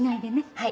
はい。